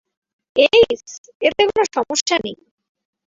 এইস, এতে কোনো সমস্যা নেই।